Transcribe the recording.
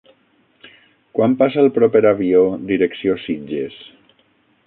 Quan passa el proper avió direcció Sitges?